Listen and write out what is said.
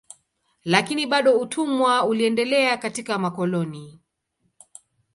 Lakini bado utumwa uliendelea katika makoloni.